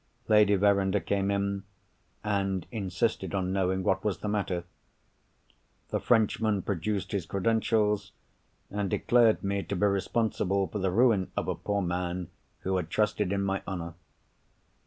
Lady Verinder came in, and insisted on knowing what was the matter. The Frenchman produced his credentials, and declared me to be responsible for the ruin of a poor man, who had trusted in my honour.